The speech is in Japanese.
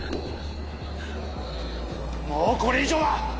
・もうこれ以上は！